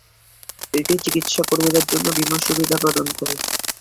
এটি চিকিৎসা কর্মীদের জন্য বীমা সুবিধা প্রদান করে।